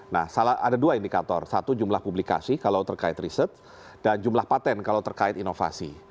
nah ada dua indikator satu jumlah publikasi kalau terkait riset dan jumlah patent kalau terkait inovasi